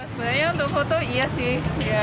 sebenarnya untuk foto iya sih